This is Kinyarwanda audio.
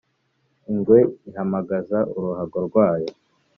Ingwe ihamagaza uruhago rwayo